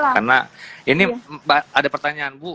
karena ini ada pertanyaan bu